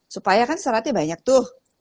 supaya kan seratnya banyak tuh